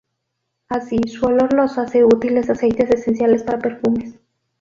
Así, su olor los hace útiles aceites esenciales para perfumes.